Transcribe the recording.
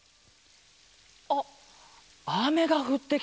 あっあめがふってきた。